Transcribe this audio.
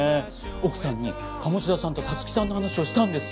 奥さんに鴨志田さんと五月さんの話をしたんですよ。